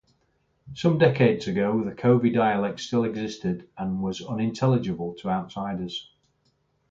Some decades ago the Covey dialect still existed and was unintelligible to outsiders.